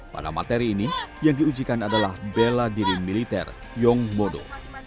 pada materi ini yang diujikan adalah bela diri militer yong modo